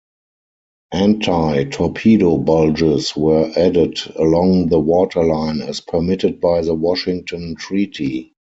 Anti-torpedo bulges were added along the waterline, as permitted by the Washington Treaty.